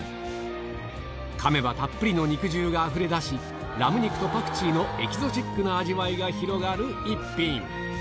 かめばたっぷりの肉汁があふれ出し、ラム肉とパクチーのエキゾチックな味わいが広がる一品。